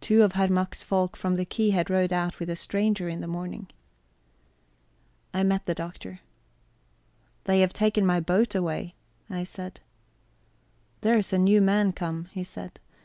Two of Herr Mack's folk from the quay had rowed out with a stranger in the morning. I met the Doctor. "They have taken my boat away," I said. "There's a new man come," he said.